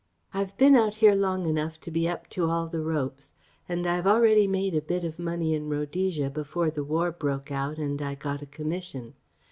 I've been out here long enough to be up to all the ropes, and I'd already made a bit of money in Rhodesia before the war broke out and I got a commission.